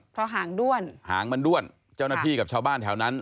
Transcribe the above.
เพราะหางด้วนหางมันด้วนเจ้าหน้าที่กับชาวบ้านแถวนั้น